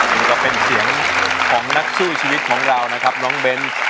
นี่ก็เป็นเสียงของนักสู้ชีวิตของเรานะครับน้องเบ้น